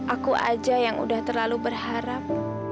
aku aja yang udah terlalu berharap